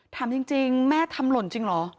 ถามจริงแม่ทำหล่นจริงเหรอ